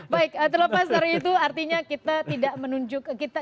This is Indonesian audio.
baik terlepas dari itu artinya kita tidak menunjuk ke kita